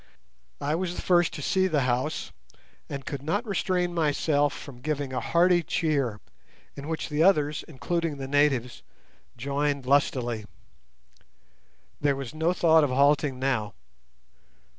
I was the first to see the house, and could not restrain myself from giving a hearty cheer, in which the others, including the natives, joined lustily. There was no thought of halting now.